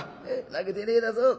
泣くでねえだぞ」。